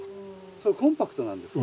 それコンパクトなんですか。